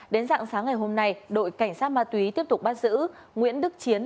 đến dạng sáng ngày hôm nay đội cảnh sát ma túy tiếp tục bắt giữ nguyễn đức chiến